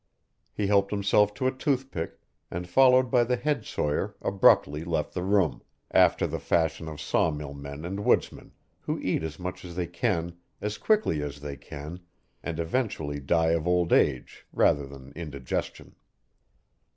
He helped himself to a toothpick, and followed by the head sawyer, abruptly left the room after the fashion of sawmill men and woodsmen, who eat as much as they can as quickly as they can and eventually die of old age rather than indigestion.